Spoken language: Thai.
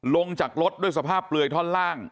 ลงจากรถด้วยสภาพเปลือยท่อนล่าง